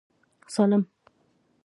سالم.